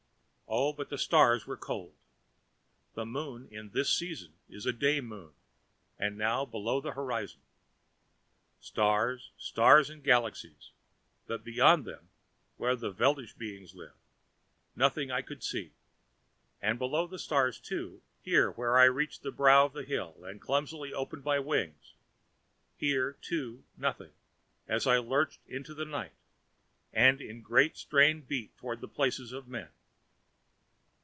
Oh, but the stars were cold! The Moon in this season was a day Moon, and now below the horizon. Stars, stars and galaxies, but beyond them, where the Veldish beings lived, nothing I could see, and below the stars, too, here where I reached the brow of the hill and clumsily opened my wings, here, too, nothing, as I lurched into the night and in great strain beat toward the places of men.